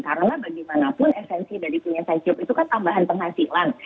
karena bagaimanapun esensi dari punya side job itu kan tambahan penghasilan